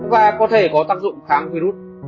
và có thể có tác dụng kháng virus